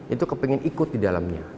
itu kepengen ikut di dalamnya